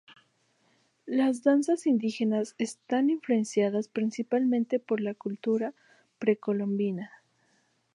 Las danzas indígenas están influenciadas principalmente por la cultura precolombina.